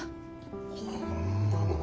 こんなのが。